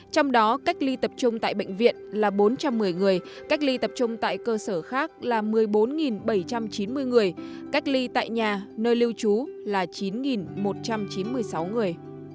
trong đó cách ly tập trung tại bệnh viện là bốn trăm một mươi người cách ly tập trung tại cơ sở khác là một mươi bốn bảy trăm chín mươi người cách ly tại nhà nơi lưu trú là chín một trăm chín mươi sáu người